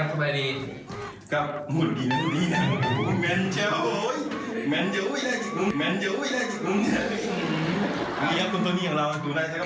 กลับหุ่นกินแล้วนี่นะโอ้โหแม่นเจ้าโอ้ยแม่นเจ้าแม่นเจ้า